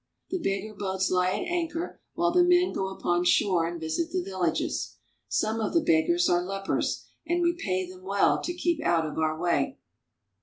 The beggar boats lie at anchor while the men go upon shore — forests of masts and visit the villages. Some of the beggars are lepers, and we pay them well to keep out of our way.